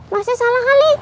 masih salah kali